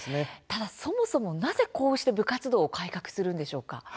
ただそもそも、なぜこうして部活動を改革するんでしょうか。